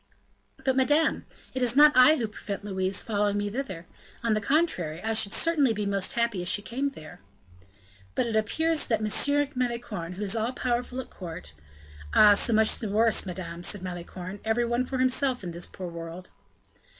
"But, madame, it is not I who prevent Louise following me thither; on the contrary, I should certainly be most happy if she came there." "But it appears that M. Malicorne, who is all powerful at court " "Ah! so much the worse, madame," said Malicorne, "every one for himself in this poor world."